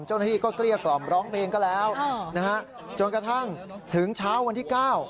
เจ้าหน้าที่ก็เกลี้ยกล่อมร้องเพลงก็แล้วนะฮะจนกระทั่งถึงเช้าวันที่เก้า